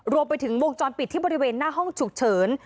รวมไปถึงวงจรปิดที่บริเวณหน้าห้องฉุกเฉิน